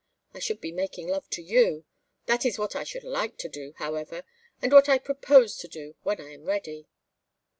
I should be making love to you. That is what I should like to do, however, and what I propose to do when I am ready."